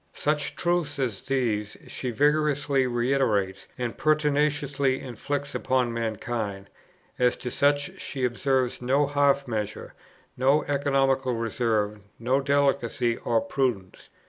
Such truths as these she vigorously reiterates, and pertinaciously inflicts upon mankind; as to such she observes no half measures, no economical reserve, no delicacy or prudence.